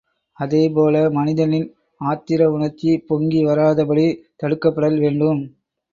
அதேபோல மனிதனின் ஆத்திர உணர்ச்சி பொங்கி வராதபடி தடுக்கப்படல் வேண்டும்.